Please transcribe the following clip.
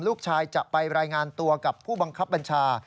ลูกชายจะไปรายงานตัวกับผู้บังคับบัญชา